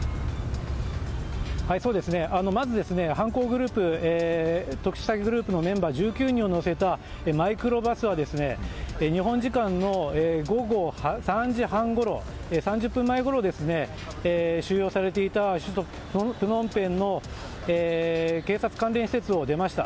まず犯行グループ特殊詐欺グループのメンバー１９人を乗せたマイクロバスは日本時間の午後３時半ごろ３０分前ごろ、収容されていた首都プノンペンの警察関連施設を出ました。